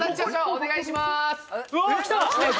お願いします